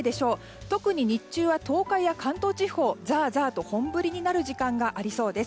特に日中は、東海や関東地方はザーザーと本降りになる時間がありそうです。